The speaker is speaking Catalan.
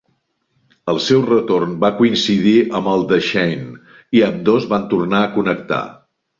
El seu retorn va coincidir amb el de Shane i ambdós van tornar a connectar.